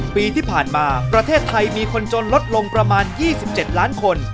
ปีที่ผ่านมาประเทศไทยมีคนจนลดลงประมาณ๒๗ล้านคน